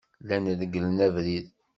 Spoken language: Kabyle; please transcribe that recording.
Llan reglen abrid.